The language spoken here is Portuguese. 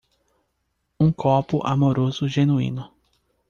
Um copo amoroso genuíno.